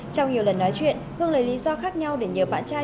trong nhiều lần nói chuyện hương lấy lý do khác nhau để nhờ bạn trai